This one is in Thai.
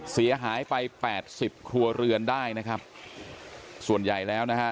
เสียหายไปแปดสิบครัวเรือนได้นะครับส่วนใหญ่แล้วนะฮะ